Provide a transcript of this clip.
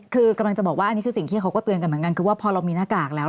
คือกำลังจะบอกว่าอันนี้คือสิ่งที่เขาก็เตือนกันเหมือนกันคือว่าพอเรามีหน้ากากแล้ว